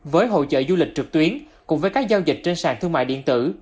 với hỗ trợ du lịch trực tuyến cùng với các giao dịch trên sàn thương mại điện tử